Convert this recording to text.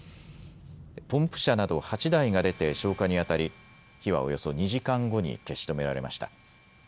ポンプ車など８台が出て消火にあたり火はおよそ２時間後に消し止められました。